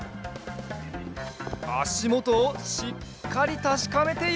あしもとをしっかりたしかめている。